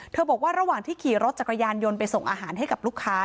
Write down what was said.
บอกว่าระหว่างที่ขี่รถจักรยานยนต์ไปส่งอาหารให้กับลูกค้า